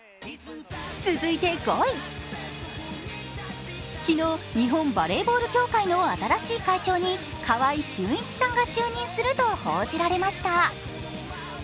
続いて５位、昨日、日本バレーボール協会の新しい会長に川合俊一さんが就任すると報じられました。